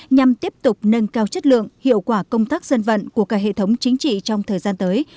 nhằm tiếp tục nâng cao chất lượng hiệu quả công tác dân vận của cả hệ thống chính trị trong thời gian tới